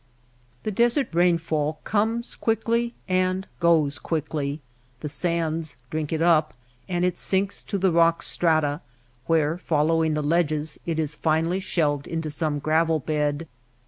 The desert rainfall comes quickly and goes quickly. The sands drink it up, and it sinks to the rock strata, where, following the ledges, it is finally shelved into some gravel bed.